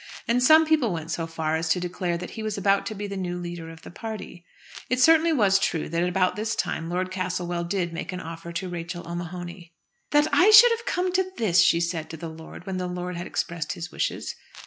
And some people went so far as to declare that he was about to be the new leader of the party. It certainly was true that about this time Lord Castlewell did make an offer to Rachel O'Mahony. "That I should have come to this!" she said to the lord when the lord had expressed his wishes.